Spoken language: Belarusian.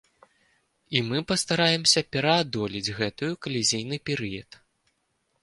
І мы пастараемся пераадолець гэтую калізійны перыяд.